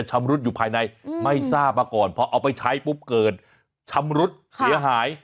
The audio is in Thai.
ชำรุดอยู่ภายในไม่ทราบมาก่อนพอเอาไปใช้ปุ๊บเกิดชำรุดเสียหาย